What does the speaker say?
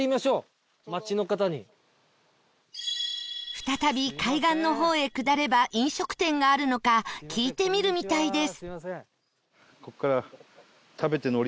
再び海岸の方へ下れば飲食店があるのか聞いてみるみたいです